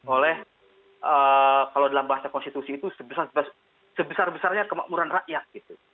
oleh kalau dalam bahasa konstitusi itu sebesar besarnya kemakmuran rakyat gitu